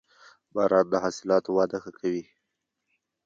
• باران د حاصلاتو وده ښه کوي.